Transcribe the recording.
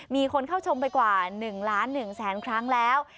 มีคนเข้าชมไปกว่า๑ล้าน๑แสนครั้งแล้ว